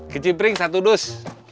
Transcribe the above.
kecipring satu dus